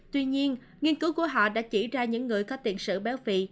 tuy nhiên nghiên cứu của họ đã chỉ ra những người có tiện sự béo phì